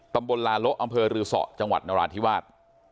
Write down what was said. ตำบลลาโละอำเภอรือสอจังหวัดนราธิวาส